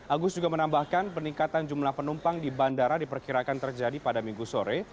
agus juga menambahkan peningkatan jumlah penumpang di bandara diperkirakan terjadi pada minggu sore